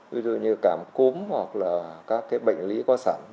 ví dụ như cảm cúm hoặc là các cái bệnh lý có sẵn